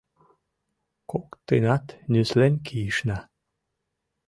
Кок-тынат нюслен кийышна.